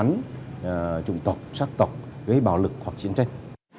những trụng tộc sát tộc gây bạo lực hoặc chiến tranh